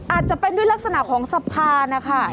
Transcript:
อาจจะเป็นด้วยลักษณะของสะพานนะคะ